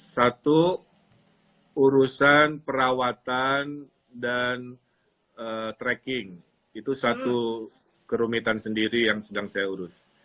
satu urusan perawatan dan tracking itu satu kerumitan sendiri yang sedang saya urus